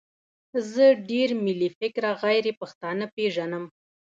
زه ډېر ملي فکره غیرپښتانه پېژنم.